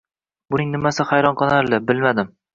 Buning nimasi hayron qolarli, bilmadim